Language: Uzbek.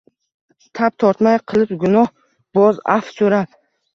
Tap tortmayin qilib gunoh, boz afv soʼrab.